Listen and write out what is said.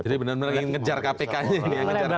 jadi benar benar ingin ngejar kpk nya